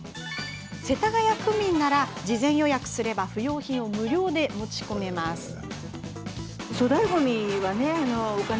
世田谷区民なら事前予約すれば不要品を無料で持ち込めます。